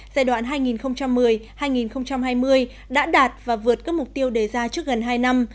giai đoạn hai nghìn một mươi hai nghìn hai mươi đã đạt và vượt các mục tiêu đề ra trước gần hai năm